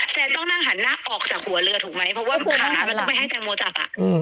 แซนต้องนั่งหันหน้าออกจากหัวเรือถูกไหมเพราะว่าขามันต้องไปให้แต่โมจักร